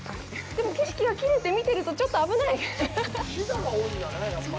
でも、景色がきれいって見ているとちょっと危ない。